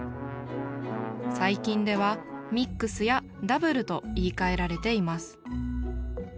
最近では「ミックス」や「ダブル」と言いかえられています